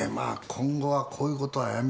「今後はこういうことはやめてくれ。